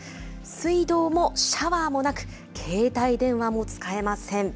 水道もシャワーもなく、携帯電話も使えません。